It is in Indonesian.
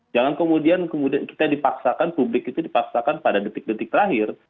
jangan kemudian kita dipaksakan publik itu dipaksakan pada detik detik terakhir